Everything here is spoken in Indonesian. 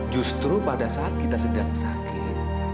justru pada saat kita sedang sakit